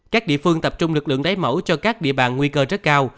các địa phương tập trung lực lượng lấy mẫu cho các địa bàn nguy cơ rất cao